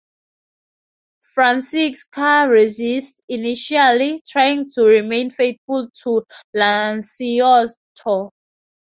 Francesca resists initially, trying to remain faithful to Lanciotto.